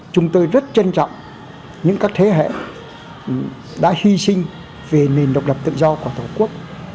chúng tôi rất trân trọng những các thế hệ đã hy sinh vì nền độc lập tự do của tổ quốc